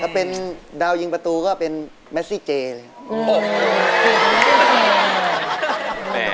ถ้าเป็นดาวยิงประตูก็เป็นแมสซี่เจเลย